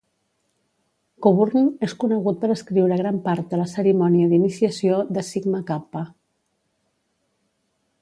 Coburn és conegut per escriure gran part de la cerimònia d'iniciació de Sigma Kappa.